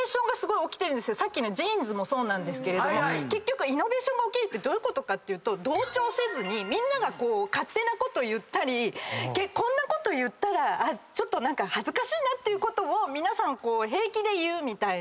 さっきのジーンズもそうなんですけど結局イノベーションが起きるってどういうことかというと同調せずみんなが勝手なこと言ったりこんなこと言ったらちょっと恥ずかしいなっていうことを皆さん平気で言うみたいな。